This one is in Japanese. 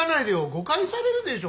誤解されるでしょ。